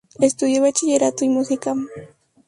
Estudió bachillerato y música.